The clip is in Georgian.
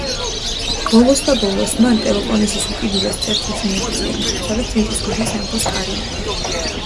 ბოლოს და ბოლოს მან პელოპონესის უკიდურეს წერტილს მიაღწია სადაც მიწისქვეშა სამეფოს კარი იყო.